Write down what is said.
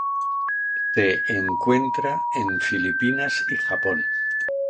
Se encuentra en Filipinas y Japón.